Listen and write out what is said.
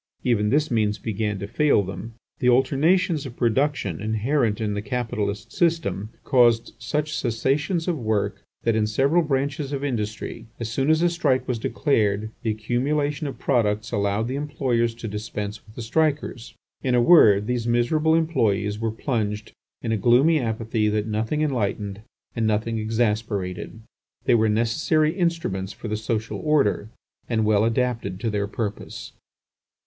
Even this means began to fail them. The alternations of production inherent in the capitalist system caused such cessations of work that, in several branches of industry, as soon as a strike was declared, the accumulation of products allowed the employers to dispense with the strikers. In a word, these miserable employees were plunged in a gloomy apathy that nothing enlightened and nothing exasperated. They were necessary instruments for the social order and well adapted to their purpose.